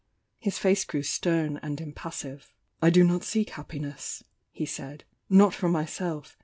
His face grew stern and impassive. "I do not seek happiness," he said— "Not for my self.